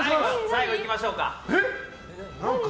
最後、行きましょうか。